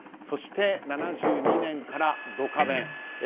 そして７２年から「ドカベン」。